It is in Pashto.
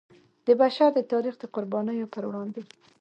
د بشر د تاریخ د قربانیو پر وړاندې.